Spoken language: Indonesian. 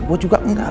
gue juga enggak